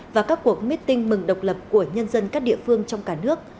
và các cuộc mít tinh mừng độc lập của nhân dân các địa phương trong cả nước